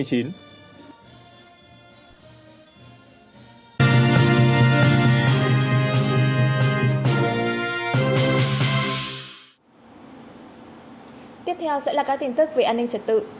tiếp theo sẽ là các tin tức về an ninh trật tự